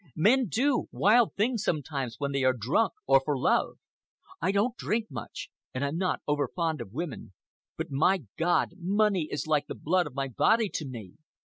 Men do wild things sometimes when they are drunk, or for love. I don't drink much, and I'm not over fond of women, but, my God, money is like the blood of my body to me!